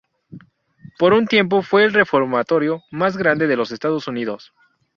Por un tiempo fue el reformatorio más grande de los Estados Unidos.